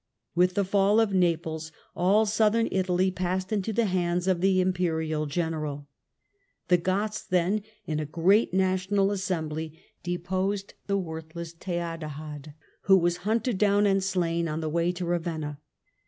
With the fall of Naples all Southern Italy passed into the hands of the Imperial general. The Goths then, in a great national assembly, deposed the worthless Theodahad, who was hunted down and slain on the way to Ravenna.